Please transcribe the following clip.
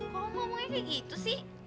kamu ngomongnya kayak gitu sih